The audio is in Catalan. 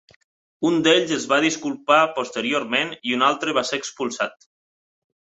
Un d'ells es va disculpar posteriorment i un altre va ser expulsat.